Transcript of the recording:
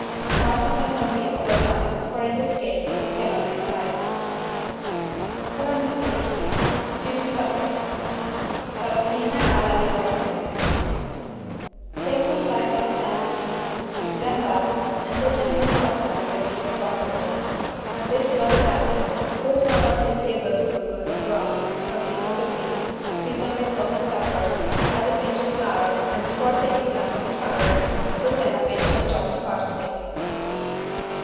The mutton must not be overdone, for in this case it cannot be sliced. 73 STEWED CUTLETS (Scaloppine alla Livornese) Take some slices of tender beef, beat them well and put them in a saucepan with a piece of butter. When this is all melted, put one or two tablespoonfuls of broth to complete the cooking, season with salt and pepper, add a pinch of flour and before taking them from the fire put in a pinch of chopped parsley.